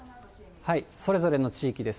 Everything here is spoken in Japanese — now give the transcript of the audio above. それぞれの地域です。